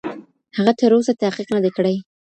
هغه تر اوسه تحقیق نه دی کړی.